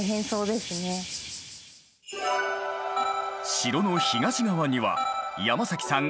城の東側には山さん